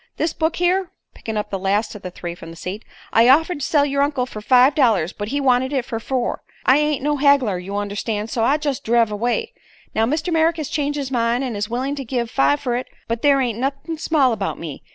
This book here," picking up the last of the three from the seat, "I offered to sell yer uncle fer five dollars; but he wanted it fer four. I ain't no haggler, you understan', so I jest driv away. Now Mr. Merrick has changed his mind an' is willin' to give five fer it; but there ain't nuthin' small about me.